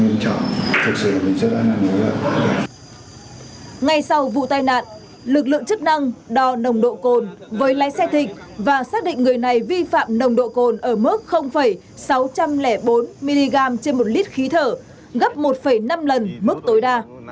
ngay sau vụ tai nạn lực lượng chức năng đo nồng độ cồn với lái xe thịnh và xác định người này vi phạm nồng độ cồn ở mức sáu trăm linh bốn mg trên một lít khí thở gấp một năm lần mức tối đa